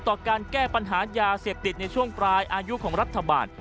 ต่อการแก้ปัญหายาเสพติดในช่วงปลายอายุของรัฐบาล